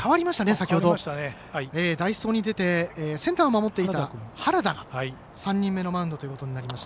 先ほど代走に出てセンターを守っていた原田が３人目のマウンドということになりました。